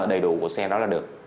đầy đủ của xe đó là được